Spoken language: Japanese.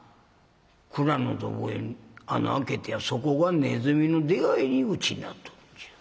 蔵のとこへ穴あけてやそこがねずみの出はいり口になっとるんじゃ。